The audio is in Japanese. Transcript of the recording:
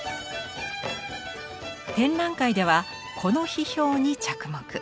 展覧会ではこの批評に着目。